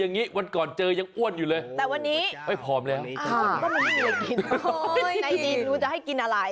ในจีนรู้จะให้กินอะไร